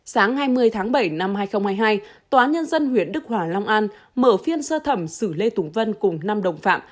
sáng hai mươi tháng bảy năm hai nghìn hai mươi hai tòa nhân dân huyện đức hòa long an mở phiên sơ thẩm xử lê tùng vân cùng năm đồng phạm